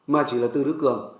mà chỉ là từ đức cường